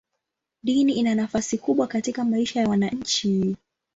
Dini ina nafasi kubwa katika maisha ya wananchi.